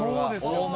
大物。